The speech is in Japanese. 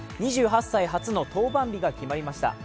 ２８歳初の登板日が決まりました。